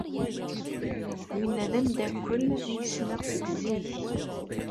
Winna d ameddakel ay ssneɣ seg zik.